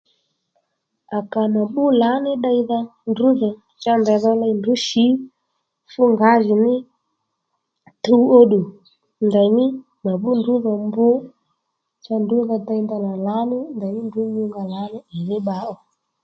À kà mà bbú lǎní ddeydha ndrǔ dhò cha ndèy dho ley ndrǔ shǐ fú ngǎjìní tuw óddù ndèymí mà bbú ndrǔ dhò mb cha ndrǔ dho dey ndanà lǎní nděymí ndrǔ nyu nga ddí lǎní ì dhí bba ó